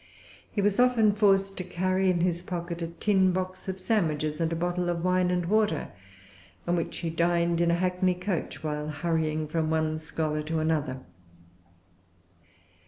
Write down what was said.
He was often forced to carry in his pocket a tin box of sandwiches, and a bottle of wine and water, on which he dined in a hackney coach, while hurrying from one scholar to another.